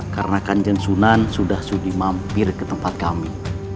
karena kanjeng sunan sudah sudi mampir ke tempat kami